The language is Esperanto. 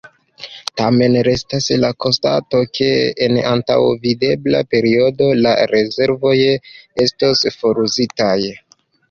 Tamen, restas la konstato ke en antaŭvidebla periodo la rezervoj estos foruzitaj.